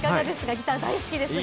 ギター大好きですが。